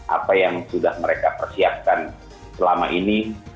apa yang sudah mereka persiapkan selama ini